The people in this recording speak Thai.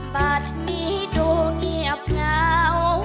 บัตรนี้ดูเงียบเหงา